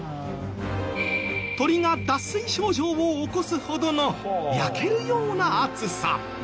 鳥が脱水症状を起こすほどの焼けるような暑さ。